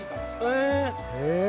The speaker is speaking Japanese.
へえ！